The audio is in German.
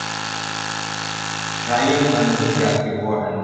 Freiin von Hilgers, geboren.